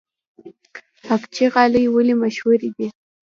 اقچې غالۍ ولې مشهورې دي؟